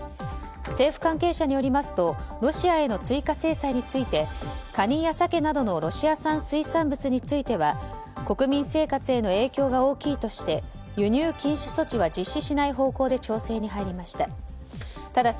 政府関係者によりますとロシアへの追加制裁についてカニやサケなどのロシア産水産物については国民生活への影響が大きいとして輸入禁止措置は実施しない方向で調整に入りました。